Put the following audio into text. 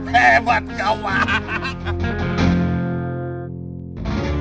hebat kau wak